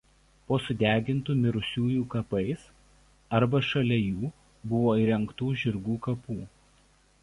Po sudegintų mirusiųjų kapais arba šalia jų buvo įrengtų žirgų kapų.